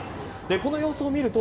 この様子を見ると